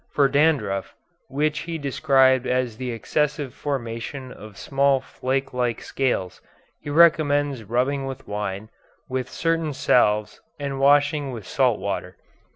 For dandruff, which he described as the excessive formation of small flake like scales, he recommends rubbing with wine, with certain salves, and washing with salt water.